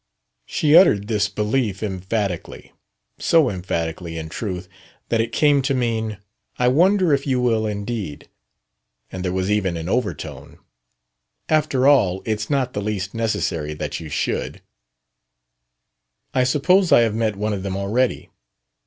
She uttered this belief emphatically so emphatically, in truth, that it came to mean: "I wonder if you will indeed." And there was even an overtone: "After all, it's not the least necessary that you should." "I suppose I have met one of them already."